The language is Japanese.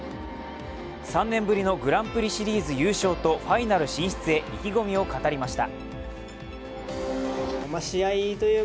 ３年ぶりのグランプリシリーズとファイナル進出へ意気込みを語りました。